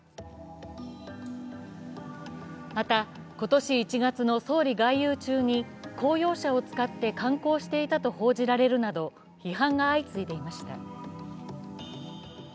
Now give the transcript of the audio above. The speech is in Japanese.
また、今年１月の総理外遊中に公用車を使って観光していたと報じられるなど批判が相次いでいました。